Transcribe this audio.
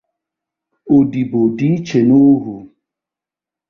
Odibo dị iche n’ohu